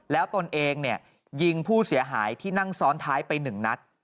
แล้วตนเองยิงผู้เสียหายที่นั่งซ้อนท้ายไป๑นัด